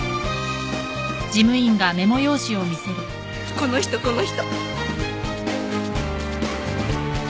この人この人。